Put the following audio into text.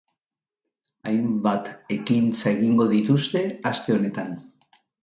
Hainbat ekintza egingo dituzte aste honetan.